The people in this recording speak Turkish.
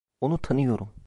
Onu tanıyorum.